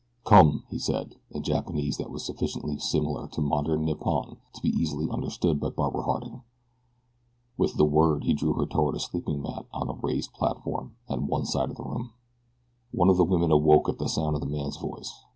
"Come!" he said, in Japanese that was sufficiently similar to modern Nippon to be easily understood by Barbara Harding. With the word he drew her toward a sleeping mat on a raised platform at one side of the room. One of the women awoke at the sound of the man's voice.